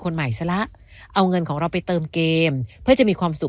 คนใหม่ซะละเอาเงินของเราไปเติมเกมเพื่อจะมีความสุข